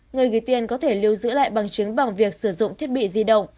người gửi tiền có thể lưu giữ lại bằng chứng bằng việc sử dụng thiết bị di động